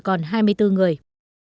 còn hai mươi bốn người